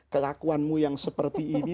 kelakuanmu yang seperti ini